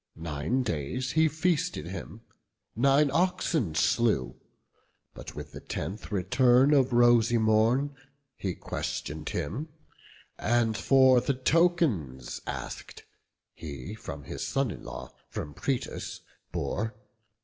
Nine days he feasted him, nine oxen slew; But with the tenth return of rosy morn He question'd him, and for the tokens ask'd He from his son in law, from Proetus, bore.